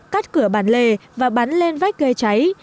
cắt cửa bản lề và bắn lên vách gây cháy